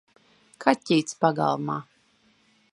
Kaķītis pagalmā!